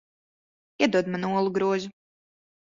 Iedod man olu grozu.